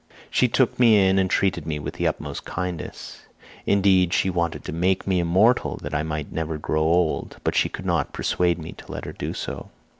She took me in and treated me with the utmost kindness; indeed she wanted to make me immortal that I might never grow old, but she could not persuade me to let her do so.